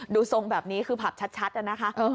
ดูทรงแบบนี้คือผับชัดนะคะ